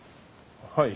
はい。